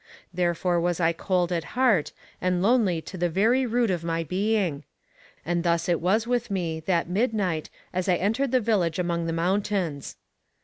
Therefore was I cold at heart, and lonely to the very root of my being. And thus it was with me that midnight as I entered the village among the mountains.